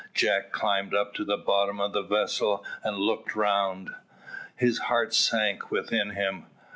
Jack climbed up to the bottom of the vessel and looked around. His heart sank within him.